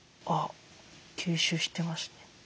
あ吸収してますね。